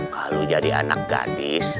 kalau jadi anak gadis